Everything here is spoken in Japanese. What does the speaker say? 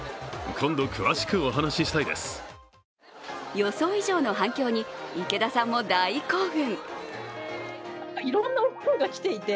予想以上の反響に池田さんも大興奮。